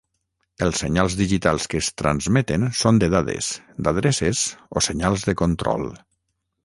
Els senyals digitals que es transmeten són de dades, d'adreces o senyals de control.